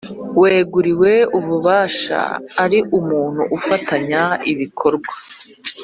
Uweguriwe ububasha ari umuntu ufatanya ibikorwa